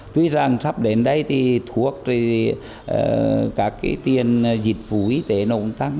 tuy rằng sắp đến đây thì thuốc các tiền dịch vụ y tế nó cũng tăng